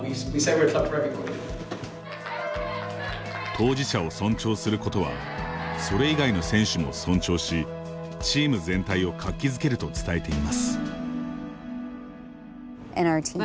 当事者を尊重することはそれ以外の選手も尊重しチーム全体を活気づけると伝えています。